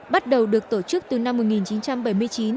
bắt đầu được tổ chức từ năm một nghìn chín trăm bảy mươi chín